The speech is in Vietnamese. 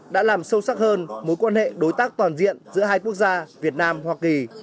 đã làm sâu sắc hơn mối quan hệ đối tác toàn diện giữa hai quốc gia việt nam hoa kỳ